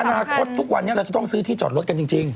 อนาคตทุกวันนี้เราจะต้องซื้อที่จอดรถกันจริง